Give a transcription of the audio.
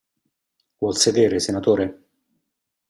Vuol sedere, senatore?